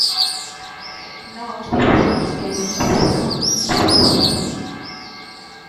Nós dicimos que hai que facer cambios necesarios.